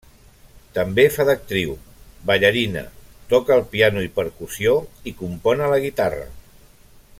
També fa d'actriu, ballarina, toca el piano i percussió i compon a la guitarra.